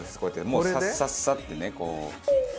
もうサッサッサってねこう。